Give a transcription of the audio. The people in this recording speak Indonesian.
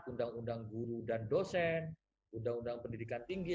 undang undang guru dan dosen undang undang pendidikan tinggi